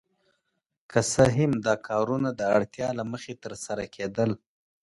که څه هم دا کارونه د اړتیا له مخې ترسره کیدل.